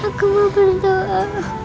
aku mau berdoa